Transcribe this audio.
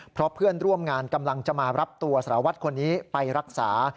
เพราะเพื่อนร่วมงานกำลังจะมารับตัวสารวัตรคนนี้ไปรักษา